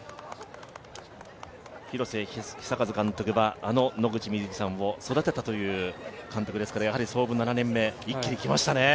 廣瀬永和監督は、あの野口みずきさんを育てた監督ですからやはり創部７年目、一気にきましたね。